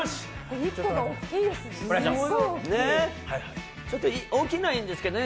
１個が大きいですね。